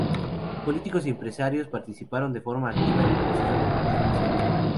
Políticos y empresarios participaron de forma activa en el proceso de planificación.